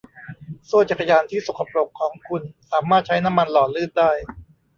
โซ่จักรยานที่สกปรกของคุณสามารถใช้น้ำมันหล่อลื่นได้